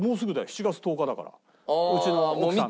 ７月１０日だからうちの奥さん。